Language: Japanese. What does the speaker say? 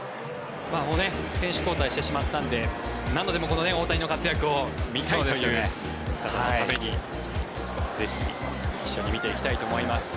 選手交代してしまったので何度でも大谷の活躍を見たいという方のためにぜひ、一緒に見ていきたいと思います。